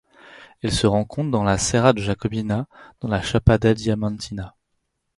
Elle se rencontre dans la Serra de Jacobina dans la Chapada Diamantina.